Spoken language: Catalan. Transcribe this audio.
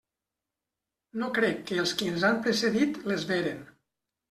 No crec que els qui ens han precedit les veren.